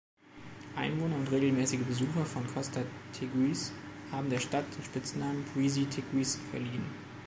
Einwohner und regelmäßige Besucher von Costa Teguise haben der Stadt den Spitznamen „Breezy Teguise“ verliehen.